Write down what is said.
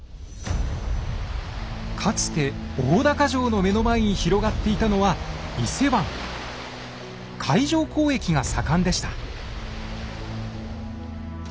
かつて大高城の目の前に広がっていたのは海上交易が盛んでした。